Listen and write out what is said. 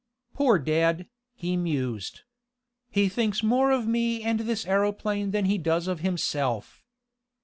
"Poor dad," he mused. "He thinks more of me and this aeroplane than he does of himself.